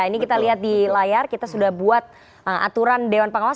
ini kita lihat di layar kita sudah buat aturan dewan pengawas